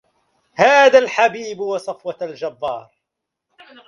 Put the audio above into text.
هذا الحبيب وصفوة الجبار